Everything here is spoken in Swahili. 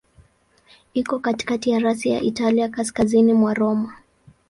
Iko katikati ya rasi ya Italia, kaskazini kwa Roma.